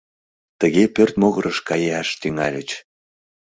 Тыге пӧрт могырыш каяш тӱҥальыч.